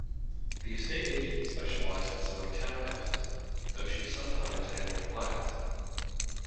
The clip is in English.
The estate agent specialised in selling townhouses, though she sometimes handled flats